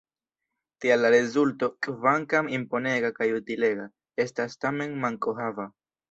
Tial la rezulto, kvankam imponega kaj utilega, estas tamen mankohava.